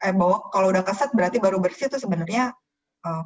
eh bahwa kalau udah keset berarti baru bersih tuh sebenarnya